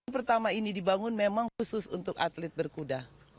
pertama ini dibangun memang khusus untuk atlet berkuda